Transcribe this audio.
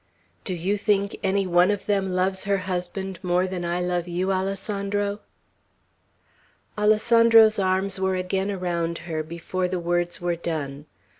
"Do you think any one of them loves her husband more than I love you, Alessandro?" Alessandro's arms were again around her, before the words were done.